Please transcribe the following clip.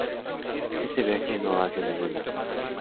Este viaje no va hacia ningún lado".